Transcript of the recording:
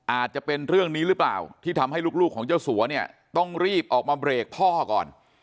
อาจจะเป็นเรื่องนี้หรือเปล่าที่ทำให้ลูกของเจ้าสัวเนี่ยต้องรีบออกมาเบรกพ่อก่อน